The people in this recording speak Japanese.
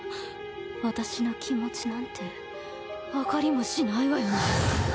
私の気持ちなんて分かりもしないわよね。